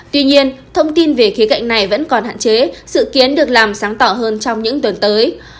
tuy nhiên thông tin về khía cạnh này vẫn còn hạn chế sự kiến được làm sáng tỏ hơn trong những tuần tới